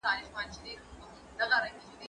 ته ولي مړۍ خورې